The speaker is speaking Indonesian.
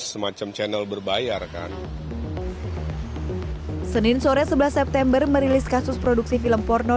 semacam channel berbayar kan senin sore sebelas september merilis kasus produksi film porno